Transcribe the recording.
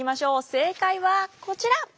正解はこちら。